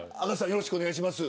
よろしくお願いします。